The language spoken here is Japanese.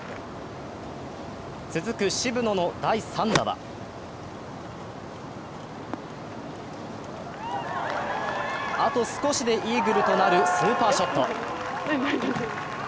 続く渋野の第３打はあと少しでイーグルとなるスーパーショット。